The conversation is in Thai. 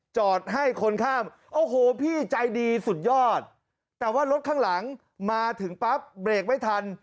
จอดให้คนข้ามโอ้โหพี่ใจดีสุดยอดแต่ว่ารถข้างหลังมาถึงปั๊บเบรกไม่ทัน